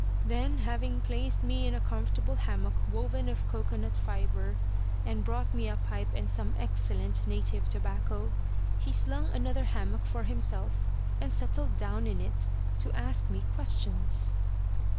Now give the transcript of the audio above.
Then, having placed me in a comfortable hammock woven of cocoanut fibre, and brought me a pipe and some excellent native tobacco, he slung another hammock for himself, and settled down in it to ask me questions.